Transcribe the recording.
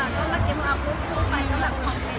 เราเราก็มีแบบว่า